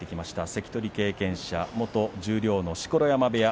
関取経験者、元十両の錣山部屋